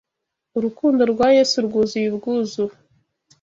urukundo rwa Yesu rwuzuye ubwuzu